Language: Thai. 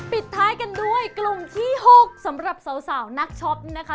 ปิดท้ายกันด้วยกลุ่มที่๖สำหรับสาวนักช็อปนะคะ